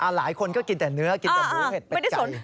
หลายคนก็กินแต่เนื้อกินแต่หมูเผ็ดเป็ดจันทร์